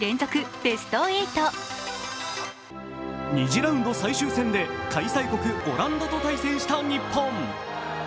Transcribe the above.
２次ラウンド最終戦で開催国・オランダと対戦した日本。